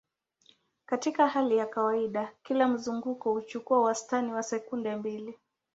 Katika hali ya kawaida, kila mzunguko huchukua wastani wa sekunde mbili.